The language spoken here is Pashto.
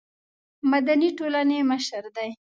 مدني ټولنې مشر دی.